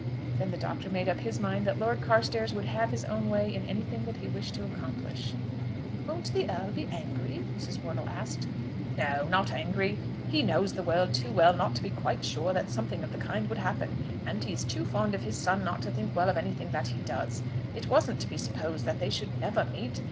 Then the Doctor made up his mind that Lord Carstairs would have his own way in anything that he wished to accomplish. "Won't the Earl be angry?" Mrs. Wortle asked. "No; not angry. He knows the world too well not to be quite sure that something of the kind would happen. And he is too fond of his son not to think well of anything that he does. It wasn't to be supposed that they should never meet.